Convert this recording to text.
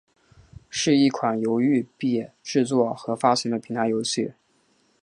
是一款由育碧制作和发行的平台游戏。